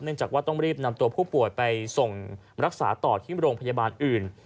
จากว่าต้องรีบนำตัวผู้ป่วยไปส่งรักษาต่อที่โรงพยาบาลอื่น